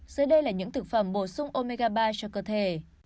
dưới đây là những thực phẩm bổ sung omega ba cho cơ thể